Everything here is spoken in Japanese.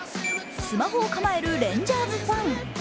スマホを構えるレンジャーズファン。